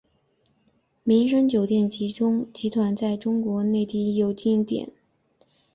丽笙酒店集团在中国内地亦拥有经营点。